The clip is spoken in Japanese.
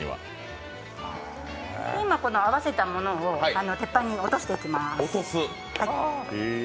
今、この合わせたものを鉄板に落としていきます。